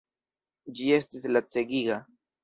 Ĝi estis lacegiga!